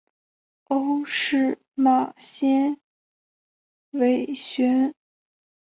欧氏马先蒿为玄参科马先蒿属下的一个种。